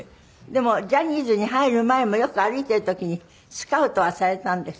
でもジャニーズに入る前もよく歩いてる時にスカウトはされたんですって？